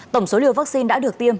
tổng số liều vaccine đã được tiêm